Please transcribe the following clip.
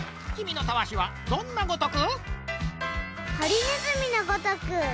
きみのたわしはどんなごとく？